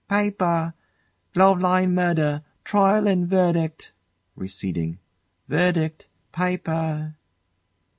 Pyper! Glove Lyne murder! Trial and verdict! [Receding] Verdict! Pyper!